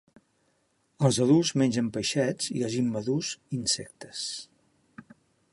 Els adults mengen peixets i els immadurs insectes.